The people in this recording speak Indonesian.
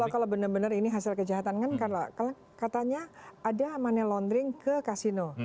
jadi kalau benar benar ini hasil kejahatan kan katanya ada money laundering ke kasino